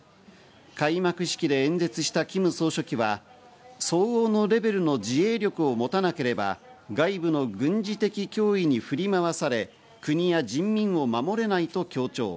開幕式で演説したキム総書記は相応のレベルの自衛力を持たなければ、外部の軍事的脅威に振り回され、国や人民を守れないと強調。